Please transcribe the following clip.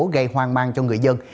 gây hoang mang cho người dân